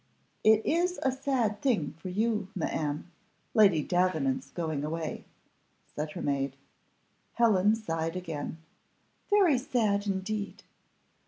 "It is a sad thing for you, ma'am, Lady Davenant's going away," said her maid. Helen sighed again. "Very sad indeed."